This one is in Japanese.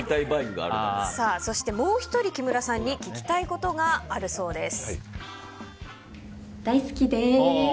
そして、もう１人、木村さんに聞きたいことがあるそうです。